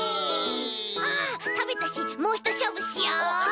あったべたしもうひとしょうぶしよう！